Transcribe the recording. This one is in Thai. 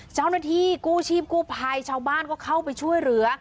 เจ้าหน้าที่กู้ชีพกู้ภัยชาวบ้านก็เข้าไปช่วยเหลือ